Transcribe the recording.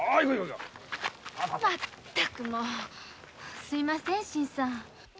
まったくもうすみません新さん。